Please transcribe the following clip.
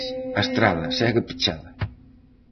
A estrada segue pechada.